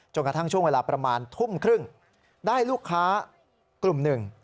กระทั่งช่วงเวลาประมาณทุ่มครึ่งได้ลูกค้ากลุ่มหนึ่ง